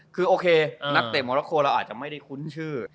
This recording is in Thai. คือโอเคนักเตะมรโคเราอาจจะไม่ได้คุ้นชื่อ